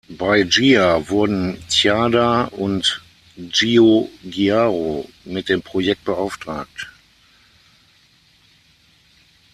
Bei Ghia wurden Tjaarda und Giugiaro mit dem Projekt beauftragt.